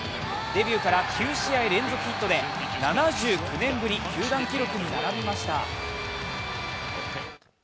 デビューから９試合連続ヒットで７９年ぶり、球団記録に並びました。